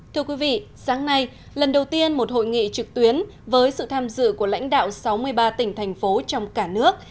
thưa quý vị sáng nay lần đầu tiên một hội nghị trực tuyến với sự tham dự của lãnh đạo sáu mươi ba tỉnh thành phố trong cả nước